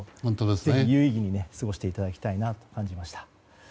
ぜひ有意義に過ごしていただきたいなと感じました。